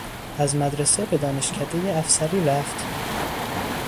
از مدرسه به دانشکدهی افسری رفت.